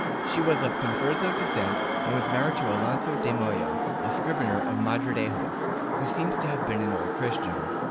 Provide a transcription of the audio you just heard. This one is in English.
She was of converso descent and was married to Alonso de Moya, a scrivener of Madridejos, who seems to have been an Old Christian.